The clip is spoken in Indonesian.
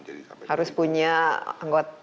harus punya anggot